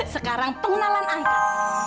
sekarang pengenalan angkat